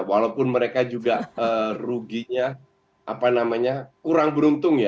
walaupun mereka juga ruginya kurang beruntung ya